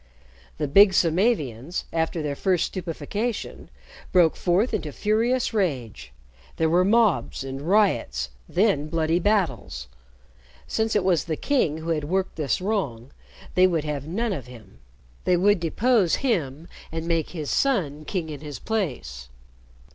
The big Samavians, after their first stupefaction, broke forth into furious rage. There were mobs and riots, then bloody battles. Since it was the king who had worked this wrong, they would have none of him. They would depose him and make his son king in his place.